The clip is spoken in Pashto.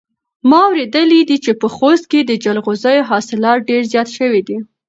ما اورېدلي دي چې په خوست کې د جلغوزیو حاصلات ډېر زیات شوي دي.